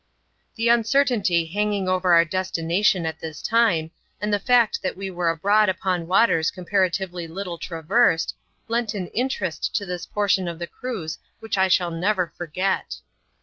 . The uncertainty hanging over our destination at this time, and the fact that we were abroad upon waters comparatively little traversed, lent an interest to this portion of the cruise which I shall never forget.